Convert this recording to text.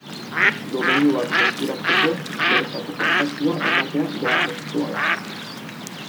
Domeinu bat eskuratzeko bertako kontaktua ematea beharrezkoa da.